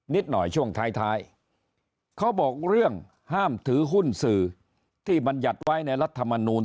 นิดหน่อยช่วงท้ายเขาบอกเรื่องห้ามถือหุ้นสื่อที่บรรยัติไว้ในรัฐมนูล